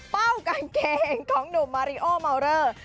เป้ากางเกงของหนูมาริโอมอลเลอร์